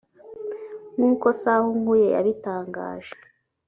” Nk’uko Sahunkuye yabitangaje